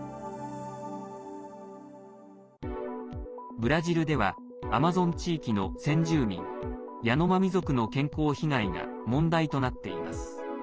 ブラジルではアマゾン地域の先住民ヤノマミ族の健康被害が問題となっています。